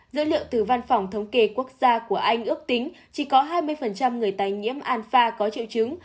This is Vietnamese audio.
dữ liệu từ văn phòng thống kê quốc gia của anh ước tính chỉ có hai mươi người tài nhiễm alfa có triệu chứng